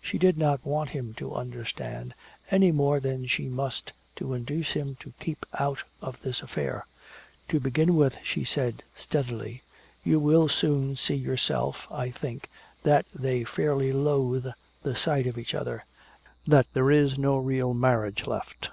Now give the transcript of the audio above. She did not want him to understand, any more than she must to induce him to keep out of this affair. "To begin with," she said steadily, "you will soon see yourself, I think, that they fairly loathe the sight of each other that there is no real marriage left."